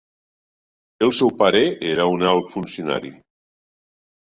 El seu pare era un alt funcionari.